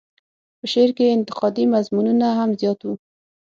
په شعر کې یې انتقادي مضمونونه هم زیات وو.